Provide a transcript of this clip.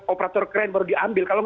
operator keren baru diambil